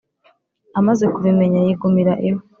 amaze kubimenya yigumira iwe,